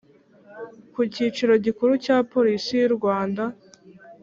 ku kicaro gikuru cya polisi y’u rwanda